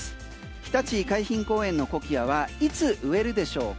日立海浜公園のコキアはいつ植えるでしょうか？